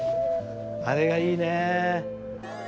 あれがいいね。